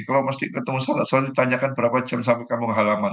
kalau mas dik ketemu selalu ditanyakan berapa jam sampai kamu ke halaman